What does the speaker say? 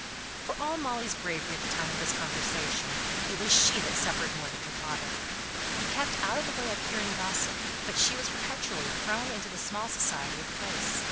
For all Molly's bravery at the time of this conversation, it was she that suffered more than her father. He kept out of the way of hearing gossip; but she was perpetually thrown into the small society of the place.